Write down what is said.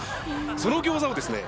そのギョーザをですね